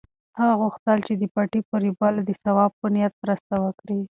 هغه غوښتل چې د پټي په رېبلو کې د ثواب په نیت مرسته وکړي.